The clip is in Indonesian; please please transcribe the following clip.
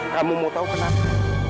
kamu mau tahu kenapa